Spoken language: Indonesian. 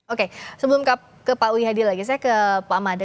oke sebelum ke pak wihadi lagi saya ke pak mada